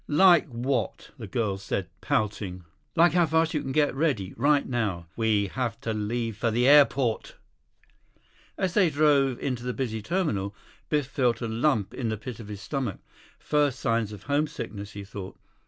"Like what?" the girl said, pouting. "Like how fast you can get ready. Right now. We have to leave for the airport." 20 As they drove into the busy terminal, Biff felt a lump in the pit of his stomach. First signs of homesickness, he thought.